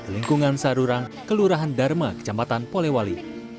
lingkungan sadurang kelurahan dharma kecampatan poliwali